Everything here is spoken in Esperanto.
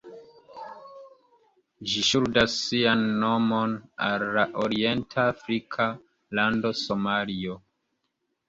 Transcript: Ĝi ŝuldas sian nomon al la orient-afrika lando Somalio.